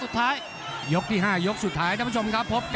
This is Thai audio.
สุดท้ายยกที่ห้ายกสุดท้ายท่านผู้ชมครับ